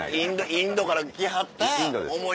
インドから来はった思い出。